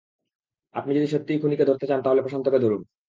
আপনি যদি সত্যিই খুনিকে ধরতে চান, তাহলে প্রশান্তকে ধরুন।